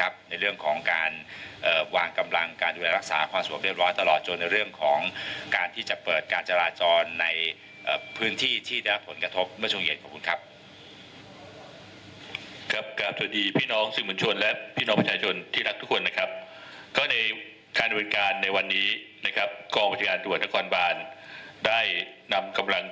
ครับในเรื่องของการวางกำลังการดูแลรักษาความสงบเรียบร้อยตลอดจนในเรื่องของการที่จะเปิดการจราจรในพื้นที่ที่ได้รับผลกระทบเมื่อช่วงเย็นขอบคุณครับครับกลับสวัสดีพี่น้องสื่อมวลชนและพี่น้องประชาชนที่รักทุกคนนะครับก็ในการบริการในวันนี้นะครับกองบัญชาการตรวจนครบานได้นำกำลัง